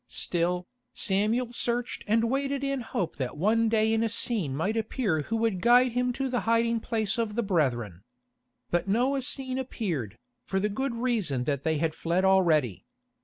Still, Samuel searched and waited in the hope that one day an Essene might appear who would guide him to the hiding place of the brethren. But no Essene appeared, for the good reason that they had fled already.